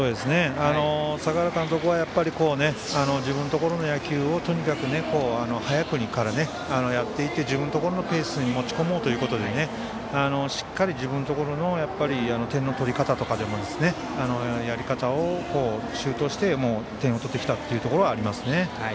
坂原監督は自分のところの野球をとにかく早くからやっていて自分のところのペースに持ち込もうというところで自分のところの点の取り方やり方を、周到して点を取ってきたところはあります。